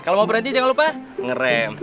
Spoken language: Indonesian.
kalau mau berhenti jangan lupa nge rem